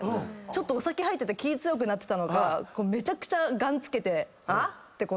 ちょっとお酒入ってて気ぃ強くなってたのかめちゃくちゃガンつけて「あ？」ってそいつ見たんですよ。